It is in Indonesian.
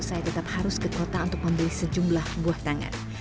saya tetap harus ke kota untuk membeli sejumlah buah tangan